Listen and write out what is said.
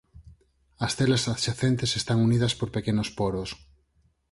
As celas adxacentes están unidas por pequenos poros.